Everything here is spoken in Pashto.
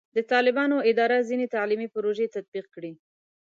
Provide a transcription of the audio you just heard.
د طالبانو اداره ځینې تعلیمي پروژې تطبیق کړي.